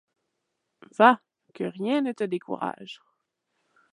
Va ! que rien ne te décourage !